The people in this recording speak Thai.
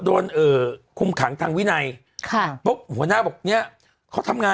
ดิวมันกัดไม่ปล่อยเลยนะ